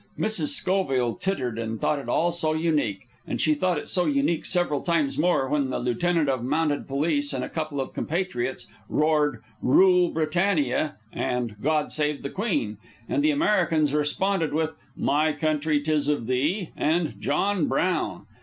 Mrs. Schoville tittered and thought it all so unique, and she thought it so unique several times more when the lieutenant of Mounted Police and a couple of compatriots roared "Rule Britannia" and "God Save the Queen," and the Americans responded with "My Country, 'Tis of Thee" and "John Brown."